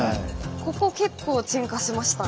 ここ結構沈下しましたね。